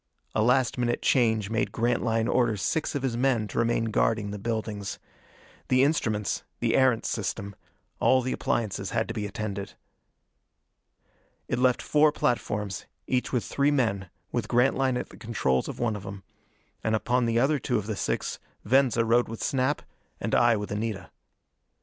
A last minute change made Grantline order six of his men to remain guarding the buildings. The instruments the Erentz system all the appliances had to be attended. It left four platforms, each with three men, with Grantline at the controls of one of them. And upon the other two of the six Venza rode with Snap, and I with Anita.